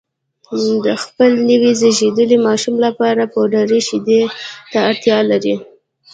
د خپل نوي زېږېدلي ماشوم لپاره پوډري شیدو ته اړتیا لري